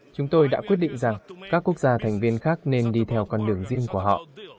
chúng tôi đã quyết định rằng các quốc gia thành viên khác nên đi theo con đường riêng của họ